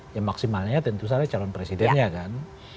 ya maksimalnya tentu saja calon presidennya kan